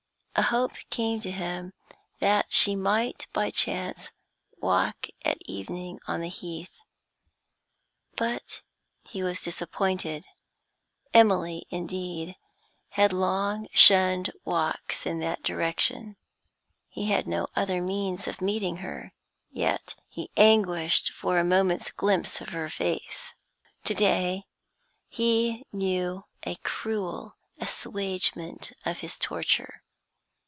A hope came to him that she might by chance walk at evening on the Heath, but he was disappointed; Emily, indeed, had long shunned walks in that direction. He had no other means of meeting her, yet he anguished for a moment's glimpse of her face. To day he knew a cruel assuagement of his torture.